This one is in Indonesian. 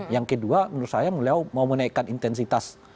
yang kedua menurut saya beliau mau menaikkan intensitas